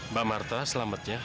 mbak marta selamatnya